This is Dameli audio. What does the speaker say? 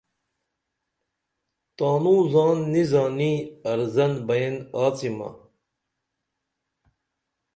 تاںوں زان نی زانی ارزن بئین آڅیمہ